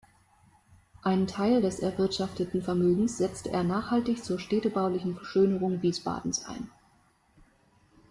Einen Teil des erwirtschafteten Vermögens setzte er nachhaltig zur städtebaulichen Verschönerung Wiesbadens ein.